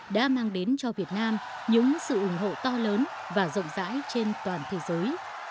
đã mang đến cho việt nam những sự ủng hộ to lớn và rộng rãi trên toàn thế giới